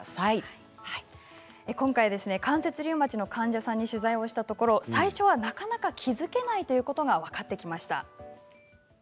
今回、関節リウマチの患者さんに取材したところ最初はなかなか気付かないということが分かってきました。